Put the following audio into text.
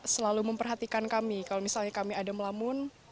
selalu memperhatikan kami kalau misalnya kami ada melamun